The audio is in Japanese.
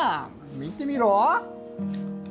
見てみろ？